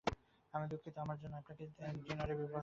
আমি দুঃখিত, আমার জন্য আপনাকে ঐ ডিনারে বিব্রত হতে হয়েছিল।